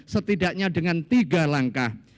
setidaknya dengan tiga langkah